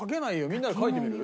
みんなで描いてみる？